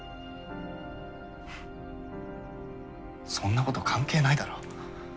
フッそんなこと関係ないだろう。